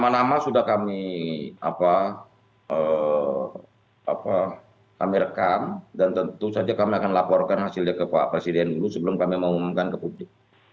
lima nama sudah kami rekam dan tentu saja kami akan laporkan hasilnya ke pak presiden dulu sebelum kami mengumumkan ke publik